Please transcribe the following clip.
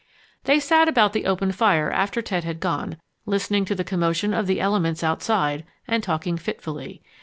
They sat about the open fire after Ted had gone, listening to the commotion of the elements outside and talking fitfully.